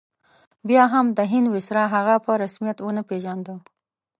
بیا هم د هند ویسرا هغه په رسمیت ونه پېژانده.